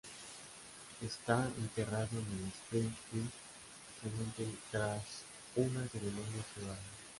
Está enterrado en el Spring Hill Cemetery tras una ceremonia privada.